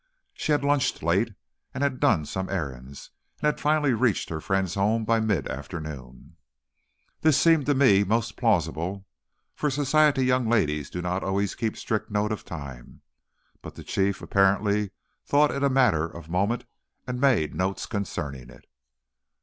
She had lunched late, and had done some errands, and had finally reached her friend's home by mid afternoon. This seemed to me most plausible, for society young ladies do not always keep strict note of time, but the Chief apparently thought it a matter of moment and made notes concerning it.